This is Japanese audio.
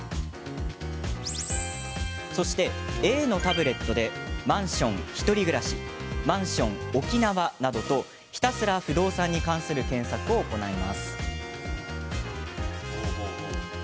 そしてＡのタブレットで「マンション１人暮らし」「マンション沖縄」などとひたすら不動産に関する検索を行います。